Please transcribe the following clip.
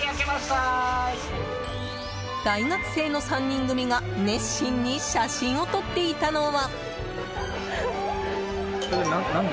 大学生の３人組が熱心に写真を撮っていたのは。